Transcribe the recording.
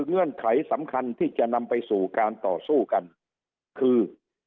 เงื่อนไขสำคัญที่จะนำไปสู่การต่อสู้กันคือ